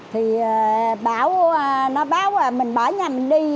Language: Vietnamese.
thì báo nó báo mình bỏ nhà mình đi